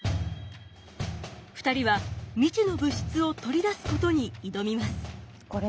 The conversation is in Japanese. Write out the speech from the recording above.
２人は未知の物質を取り出すことに挑みます。